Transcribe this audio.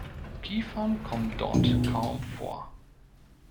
Kiefern kommen dort kaum vor.